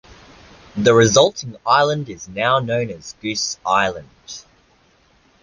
The resulting island is now known as Goose Island.